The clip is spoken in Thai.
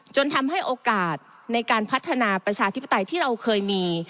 จนทำให้โอกาสในการพัฒนาประชาธิปไตยที่เราเคยมี